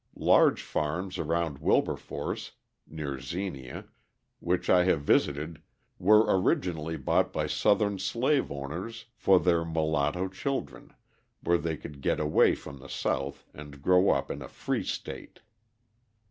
Large farms around Wilberforce (near Xenia) which I have visited were originally bought by Southern slave owners for their mulatto children, where they could get away from the South and grow up in a free state.